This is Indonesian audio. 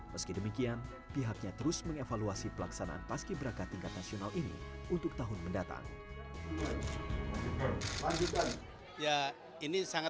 meski demikian pihaknya terus mengevaluasi pelaksanaan paski beraka tingkat nasional ini untuk tahun mendatang